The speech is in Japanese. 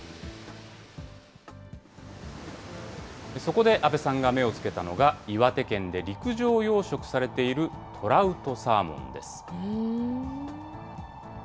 そこで阿部さんが目をつけたのが、岩手県で陸上養殖されているトラウトサーモンです。